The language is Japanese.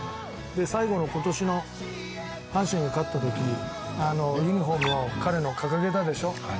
最後のことしの阪神が勝ったとき、ユニホームを、彼の、掲げたでしょ。